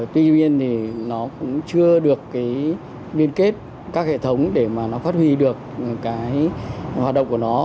tuy nhiên thì nó cũng chưa được cái liên kết các hệ thống để mà nó phát huy được cái hoạt động của nó